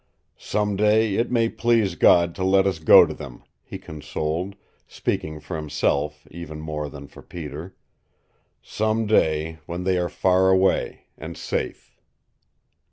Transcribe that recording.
"Some day it may please God to let us go to them," he consoled, speaking for himself even more than for Peter. "Some day, when they are far away and safe."